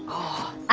あ。